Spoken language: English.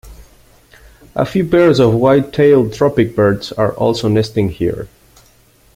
A few pairs of white-tailed tropicbirds are also nesting here.